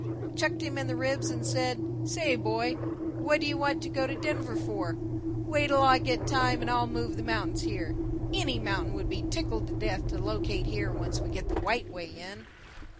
Chucked him in the ribs and said, 'Say, boy, what do you want to go to Denver for? Wait 'll I get time and I'll move the mountains here. Any mountain will be tickled to death to locate here once we get the White Way in!'"